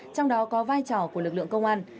trong đó có vai trò của lực lượng công an